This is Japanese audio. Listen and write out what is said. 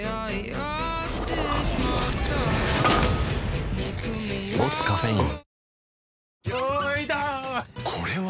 うん「ボスカフェイン」